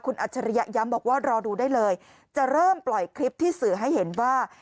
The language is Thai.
อัจฉริยะย้ำบอกว่ารอดูได้เลยจะเริ่มปล่อยคลิปที่สื่อให้เห็นว่า